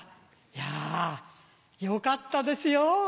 いやよかったですよ！